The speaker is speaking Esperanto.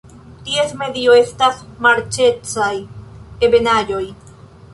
Ties medio estas marĉecaj ebenaĵoj.